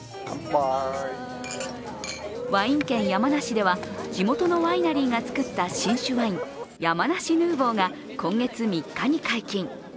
ワイン県・山梨では地元のワイナリーが作った新酒ワイン山梨ヌーボーが今月３日に解禁。